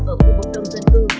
ở khu vực đông dân cư